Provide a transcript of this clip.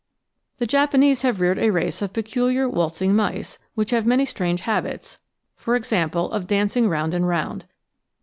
The Japanese have reared a race of peculiar waltzing mice, which have many strange habits, e.g. of dancing round and round.